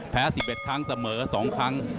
๑๑ครั้งเสมอ๒ครั้ง